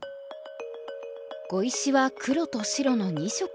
碁石は黒と白の２色しかない。